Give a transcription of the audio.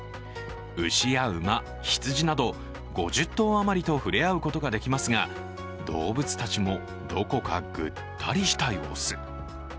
牛や馬、羊など５０頭余りとふれあうことができますが動物たちも、どこかぐったりした様子。